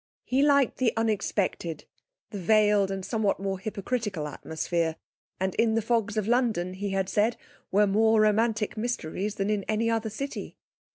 He liked the unexpected, the veiled and somewhat more hypocritical atmosphere, and in the fogs of London, he had said, were more romantic mysteries than in any other city.